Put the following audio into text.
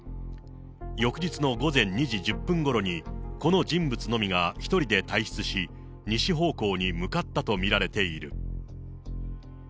翌日の午前２時１０分ごろに、この人物のみが１人で退出し、西方向に向かったと見られている。